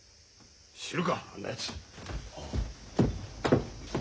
知るかあんなやつ。